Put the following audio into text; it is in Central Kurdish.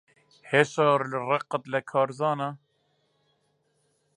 هێشتا ڕقت لە کارزانە؟